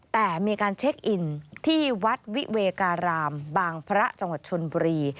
แต่มีการเช็คอินที่วัดวิเวการามบางพระจังหวัดชนบุรี